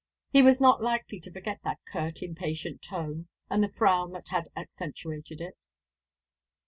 He was not likely to forget that curt, impatient tone, and the frown that had accentuated it.